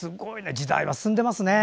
時代は進んでますね。